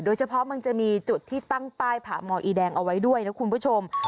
มันจะมีจุดที่ตั้งป้ายผาหมออีแดงเอาไว้ด้วยนะคุณผู้ชม